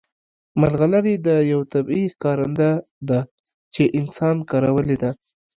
ملغلرې یو طبیعي ښکارنده ده چې انسان کارولې ده